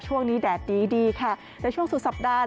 ช่วงนี้แดดดีค่ะในช่วงสุดสัปดาห์